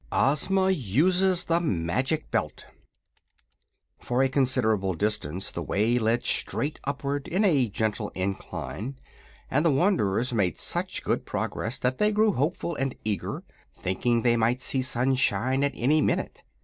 OZMA USES THE MAGIC BELT For a considerable distance the way led straight upward in a gentle incline, and the wanderers made such good progress that they grew hopeful and eager, thinking they might see sunshine at any minute.